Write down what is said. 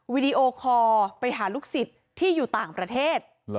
วิดีโอคอลไปหาลูกศิษย์ที่อยู่ต่างประเทศ